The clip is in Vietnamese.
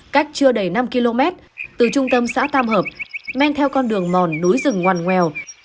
cách chưa đầy năm km từ trung tâm xã tam hợp men theo con đường mòn núi rừng ngoan ngoèo